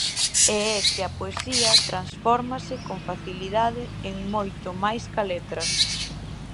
E é que a poesía transfórmase con facilidade en moito máis ca letras.